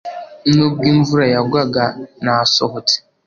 nubwo imvura yagwaga, nasohotse